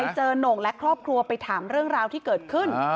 เจอโหน่งและครอบครัวไปถามเรื่องราวที่เกิดขึ้น